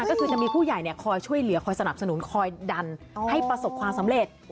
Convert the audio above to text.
ก็คือจะมีผู้ใหญ่คอยช่วยเหลือคอยสนับสนุนคอยดันให้ประสบความสำเร็จ